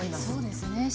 そうですね。